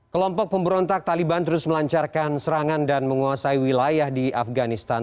kelompok pemberontak taliban terus melancarkan serangan dan menguasai wilayah di afganistan